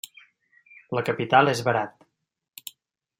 La capital és Berat.